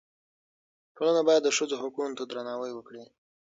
ټولنه باید د ښځو حقونو ته درناوی وکړي.